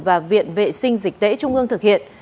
và viện vệ sinh dịch tễ trung ương thực hiện